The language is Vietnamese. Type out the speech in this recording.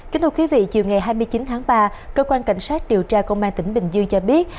kính thưa quý vị chiều ngày hai mươi chín tháng ba cơ quan cảnh sát điều tra công an tỉnh bình dương cho biết